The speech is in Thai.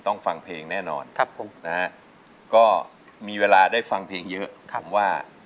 ต้องฟังเพลงแน่นอนก็มีเวลาได้ฟังเพลงเยอะ